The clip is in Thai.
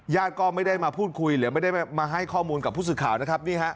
ญาติก็ไม่ได้มาพูดคุยหรือไม่ได้มาให้ข้อมูลกับผู้สื่อข่าวนะครับนี่ฮะ